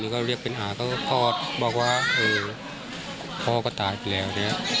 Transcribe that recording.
บอกว่าว่าเออพ่อก็ตายไปแล้วนะ